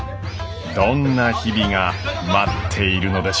どんな日々が待っているのでしょうか。